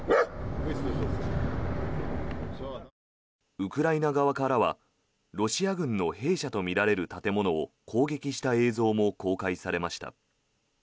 ウクライナ側からはロシア軍の兵舎とみられる建物を攻撃した映像も公開されました。